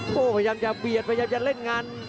ก็พยายามจะเปรียบที่จะเล่นงาน